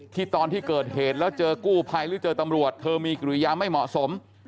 ตอนที่เกิดเหตุแล้วเจอกู้ภัยหรือเจอตำรวจเธอมีกิริยาไม่เหมาะสม